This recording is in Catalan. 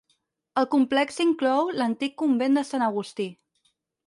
El complex inclou l'antic convent de Sant Agustí.